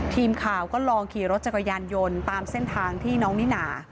ทีมข่าวก็ลองขี่รถจักรยานยนต์ตามเส้นทางที่น้องนิน่า